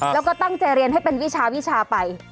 แล้วก็ตั้งใจเรียนให้เป็นวิชาวิชาไป